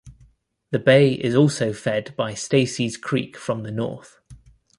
The bay is also fed by Stacy's Creek from the north.